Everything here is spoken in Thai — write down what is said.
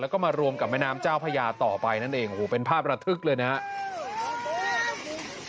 แล้วก็มารวมกับแม่น้ำเจ้าพญาต่อไปนั่นเองโอ้โหเป็นภาพระทึกเลยนะครับ